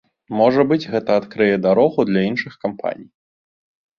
Можа быць, гэта адкрые дарогу для іншых кампаній.